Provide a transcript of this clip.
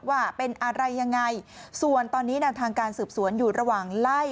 ว่าเป็นอะไรยังไงส่วนตอนนี้แนวทางการสืบสวนอยู่ระหว่างไล่